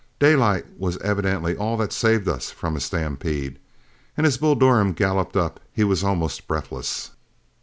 Daylight was evidently all that saved us from a stampede, and as Bull Durham galloped up he was almost breathless.